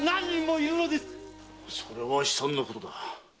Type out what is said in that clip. それは悲惨なことだ。